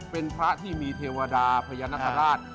เป็นพระที่มีเทวดาพญานาคาราช